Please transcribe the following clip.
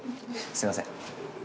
すいません。